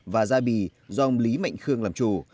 và gia bì do ông lý mạnh khương làm chủ